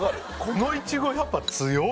このいちごやっぱ強い！